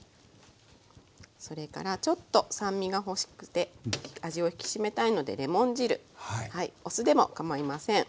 それからちょっと酸味が欲しくて味を引き締めたいのでレモン汁お酢でもかまいません。